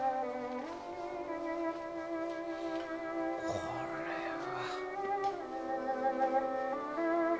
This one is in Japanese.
これは。